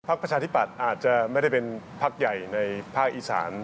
ประชาธิปัตย์อาจจะไม่ได้เป็นพักใหญ่ในภาคอีสาน